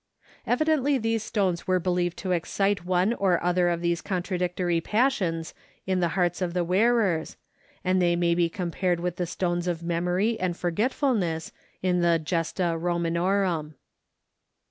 Evidently these stones were believed to excite one or other of these contradictory passions in the hearts of the wearers, and they may be compared with the stones of memory and forgetfulness in the "Gesta Romanorum."